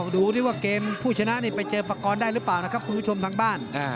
ดูดิว่าเกมผู้ชนะนี่ไปเจอปากกรณ์ได้หรือเปล่านะครับคุณผู้ชมทางบ้าน